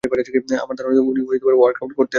আমার ধারণা উনি এখানে ওয়ার্কআউট করতে আসতেন।